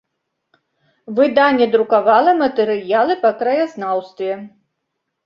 Выданне друкавала матэрыялы па краязнаўстве.